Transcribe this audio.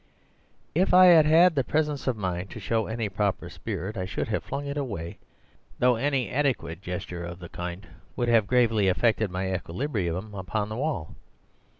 "If I had had the presence of mind to show any proper spirit I should have flung it away, though any adequate gesture of the kind would have gravely affected my equilibrium upon the wall.